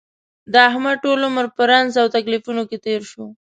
د احمد ټول عمر په رنځ او تکلیفونو کې تېر شو.